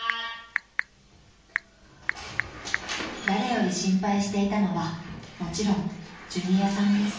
［誰より心配していたのはもちろんジュニアさんです］